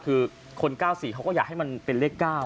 คือคน๙๔เขาก็อยากให้มันเป็นเลข๙